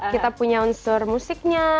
kita punya unsur musiknya